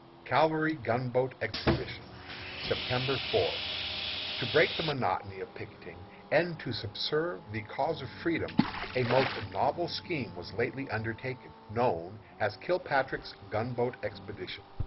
CAVALRY GUNBOAT EXPEDITION. September 4. To break the monotony of picketing and to subserve the cause of freedom, a most novel scheme was lately undertaken, known as Kilpatrick's Gunboat Expedition.